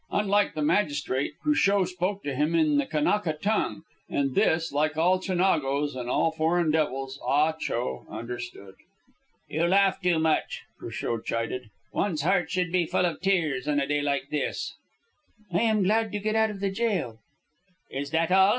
Unlike the magistrate, Cruchot spoke to him in the Kanaka tongue, and this, like all Chinagos and all foreign devils, Ah Cho understood. "You laugh too much," Cruchot chided. "One's heart should be full of tears on a day like this." "I am glad to get out of the jail." "Is that all?"